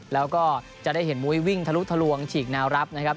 แล้วก็จะได้เห็นมุ้ยวิ่งทะลุทะลวงฉีกแนวรับนะครับ